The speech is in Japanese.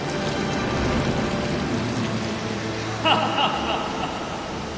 ハハハハハ！